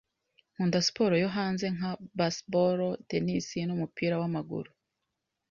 Nkunda siporo yo hanze, nka baseball, tennis numupira wamaguru.